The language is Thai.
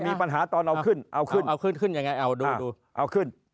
มีปัญหาตอนเอาขึ้น